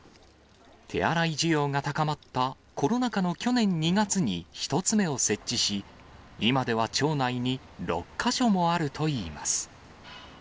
手洗い需要が高まったコロナ禍の去年２月に１つ目を設置し、今では町内に６か所もあるといいます。